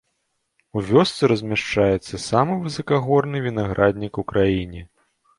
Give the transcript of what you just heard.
У вёсцы размяшчаецца самы высакагорны вінаграднік у краіне.